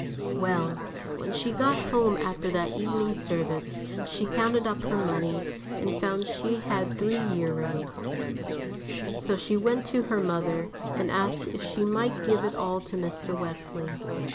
Well, when she got home after that evening service, she counted up her money, and found she had £3. So she went to her mother and asked if she might give it all to Mr. Wesley.